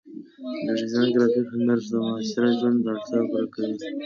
د ډیزاین او ګرافیک هنر د معاصر ژوند اړتیاوې پوره کوي.